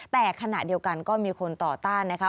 แต่ขณะเดียวกันก็มีคนต่อต้านนะคะ